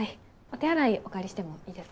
お手洗いお借りしてもいいですか？